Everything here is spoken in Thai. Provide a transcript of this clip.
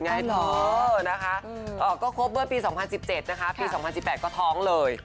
เราก็ครบเบื้อปี๒๐๑๗นะคะปี๒๐๑๘ก็ท้องเลย